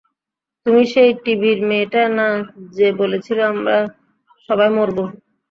তুমি সেই টিভির মেয়েটা না যে বলেছিল আমরা সবাই মরব?